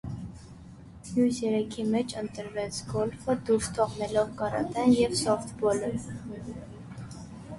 Մյուս երեքի մեջ ընտրվեց գոլֆը՝ դուրս թողնելով կարատեն և սոֆթբոլը։